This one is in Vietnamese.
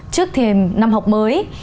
trước thì năm học mới